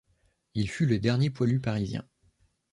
Il fut le dernier poilu parisien.